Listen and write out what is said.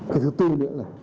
cái thứ tư nữa là